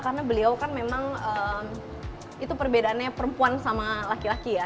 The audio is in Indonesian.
karena beliau kan memang itu perbedaannya perempuan sama laki laki ya